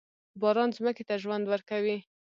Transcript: باران ځمکې ته ژوند ورکوي.